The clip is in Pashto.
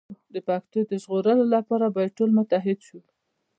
د پښتو د ژغورلو لپاره باید ټول متحد شو.